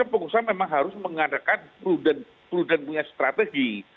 pengusaha memang harus mengadakan prudent punya strategi